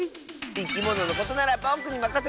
いきもののことならぼくにまかせて！